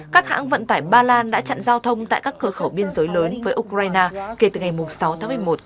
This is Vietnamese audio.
các hãng vận tải ba lan đã chặn giao thông tại các cửa khẩu biên giới lớn với ukraine kể từ ngày sáu tháng một mươi một